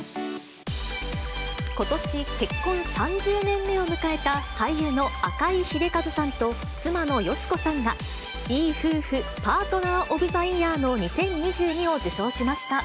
ことし、結婚３０年目を迎えた俳優の赤井英和さんと妻の佳子さんがいい夫婦パートナー・オブ・ザ・イヤー２０２２を受賞しました。